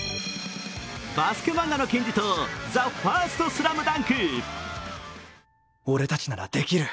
バスケ漫画の金字塔「ＴＨＥＦＩＲＳＴＳＬＡＭＤＵＮＫ」。